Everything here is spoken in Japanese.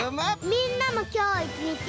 みんなもきょういちにち。